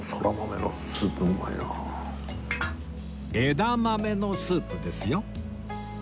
枝豆のスープですよ